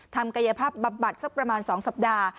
ทำกายภาพบำบัดสักประมาณ๒สัปดาห์